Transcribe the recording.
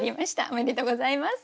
おめでとうございます。